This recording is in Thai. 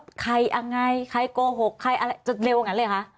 ใครยังไงใครโกหกใครอะไรจะเร็วอย่างนั้นเลยคะ